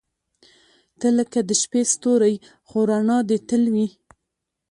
• ته لکه د شپې ستوری، خو رڼا دې تل وي.